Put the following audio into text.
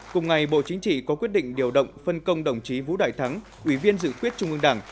cùng ngày bộ chính trị có quyết định điều động phân công đồng chí vũ đại thắng ủy viên dự quyết trung ương đảng